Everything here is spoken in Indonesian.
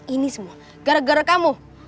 ini semua gara gara kamu